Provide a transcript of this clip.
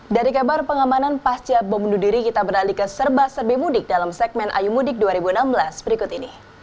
dari kabar pengamanan pasca bom bunuh diri kita beralih ke serba serbi mudik dalam segmen ayu mudik dua ribu enam belas berikut ini